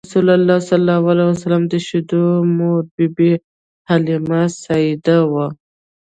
رسول الله ﷺ د شیدو مور بی بی حلیمه سعدیه وه.